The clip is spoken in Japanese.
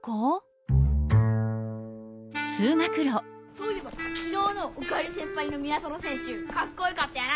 そういえばきのうの「おかえり先輩」の宮園せんしゅかっこよかったよな！